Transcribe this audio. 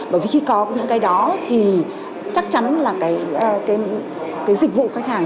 bởi vì khi có những cái đó thì chắc chắn là cái dịch vụ khách hàng